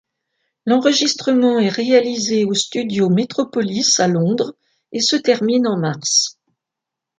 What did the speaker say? L'enregistrement est réalisé aux studios Metropolis à Londres et se termine en mars.